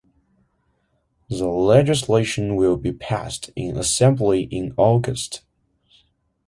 The legislation will be passed in assembly in August.